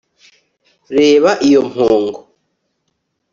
reba iyo mpongo